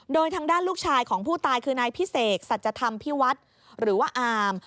โดยทางด้านลูกชายของผู้ตายคือนายพิเศษสัจธรรมพิวัฒน์หรือว่าอาม